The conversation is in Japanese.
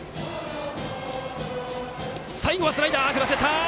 最後はスライダー、振らせた！